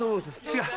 違う。